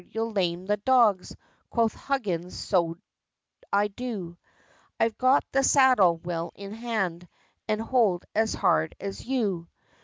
you'll lame the dogs," Quoth Huggins, "So I do, I've got the saddle well in hand, And hold as hard as you!"